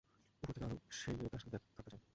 উপর থেকে আরো সেই মেয়ে তার সাথে থাকতে চায়।